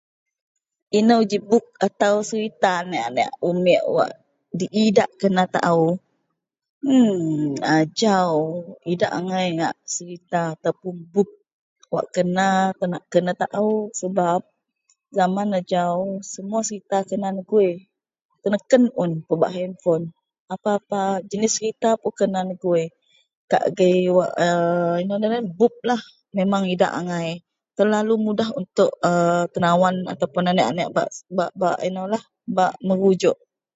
. Inou ji bup atau serita aneak-aneak umik wak diidak kenataou ee. Ajau idak angai ngak serita ataupun bup wak kena kenataou sebab jaman ajau semua serita kena negui, tenekan un pebak henpon. Apa-apa jenis serita pun kena negui, kak agei wak aaa inou ngadan yen buplah, memang idak angai telalu mudah untuk aaa tenawan ataupun aneak-aneak bak, bak-bak inoulah bak merujuk